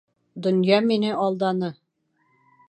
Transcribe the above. Донъя мине алданы: